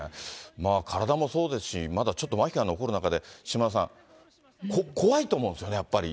体もそうですし、まだちょっとまひが残る中で、島田さん、怖いと思うんですよね、やっぱり。